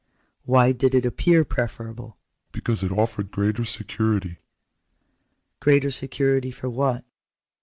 " Why did it appear preferable ?"" Because it offered greater security." " Greater security for what